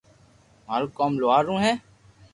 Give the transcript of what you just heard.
مارو ڪوم لوھار رو ھي